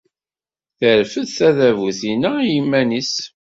Terfed tadabut-inna i yiman-nnes.